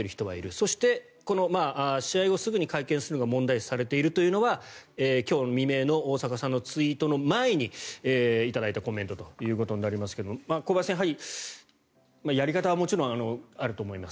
そして、試合後すぐに会見するのが問題視されているというのは今日未明の大坂さんのツイートの前に頂いたコメントということになりますが小林さん、やはりやり方はもちろんあると思います。